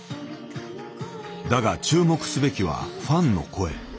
だが注目すべきはファンの声。